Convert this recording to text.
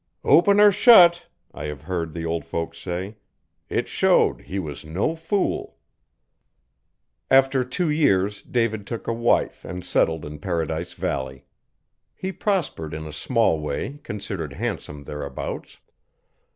'Open or shet,' I have heard the old folks say, 'it showed he was no fool.' After two years David took a wife and settled in Paradise Valley. He prospered in a small way considered handsome thereabouts.